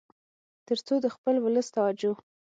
تر څو د خپل ولس توجه